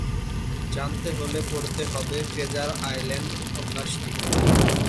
জানতে হলে পড়তে হবে ট্রেজার আইল্যান্ড উপন্যাসটি।